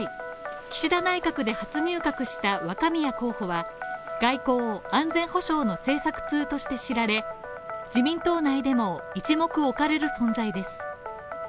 岸田内閣で初入閣した若宮候補は、外交安全保障の政策通として知られ、自民党内でも一目置かれる存在です。